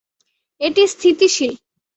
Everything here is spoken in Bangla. এটি স্থিতিশীল।